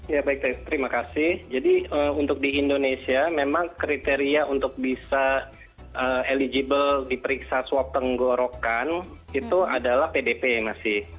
ya baik terima kasih jadi untuk di indonesia memang kriteria untuk bisa eligible diperiksa swab tenggorokan itu adalah pdp masih